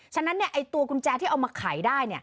ฉะนั้นตัวกุญแจที่เอามาขายได้